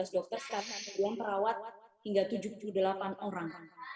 satu ratus tujuh belas dokter sekarang yang mengeluarkan perawat hingga tujuh ratus tujuh puluh delapan orang